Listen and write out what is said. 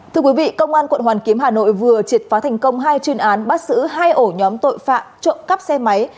thưa quý vị công an quận hoàn kiếm hà nội vừa triệt phá thành công hai chuyên án bắt xử hai ổ nhóm tội phạm trộm cắp xe máy